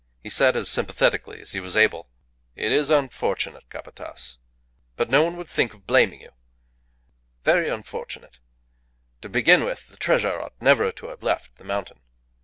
He said as sympathetically as he was able "It is unfortunate, Capataz. But no one would think of blaming you. Very unfortunate. To begin with, the treasure ought never to have left the mountain.